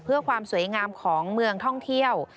เพื่อความสวยงามของเมืองท่องเที่ยว